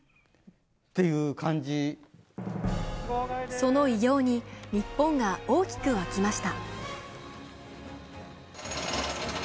その偉業に日本が大きく沸きました。